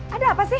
ada apa sih